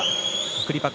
クリパク。